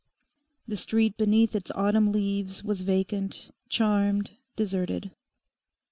The street beneath its autumn leaves was vacant, charmed, deserted.